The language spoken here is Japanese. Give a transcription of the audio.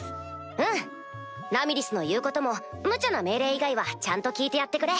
うんラミリスの言うことも無茶な命令以外はちゃんと聞いてやってくれ。